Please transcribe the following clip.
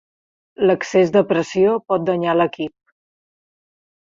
L'excés de pressió pot danyar l'equip.